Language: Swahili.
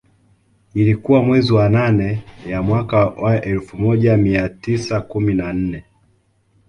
Ilikuwa mwezi wa nane ya mwaka wa elfu moja mia tisa kumi na nne